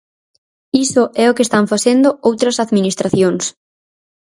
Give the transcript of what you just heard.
Iso é o que están facendo outras administracións.